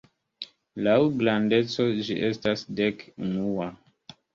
Laŭ grandeco ĝi estas dek-unua.